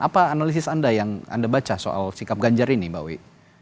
apa analisis anda yang anda baca soal sikap ganjar ini mbak wi